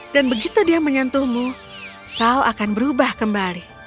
dan begitu dia menyentuhmu kau akan berubah kembali